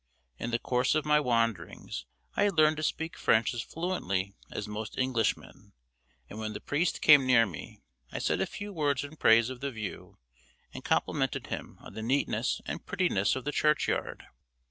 In the course of my wanderings I had learned to speak French as fluently as most Englishmen, and when the priest came near me I said a few words in praise of the view, and complimented him on the neatness and prettiness of the churchyard.